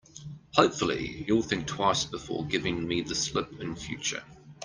Hopefully, you'll think twice before giving me the slip in future.